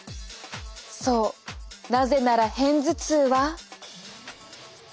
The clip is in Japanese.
そうなぜなら片頭痛は。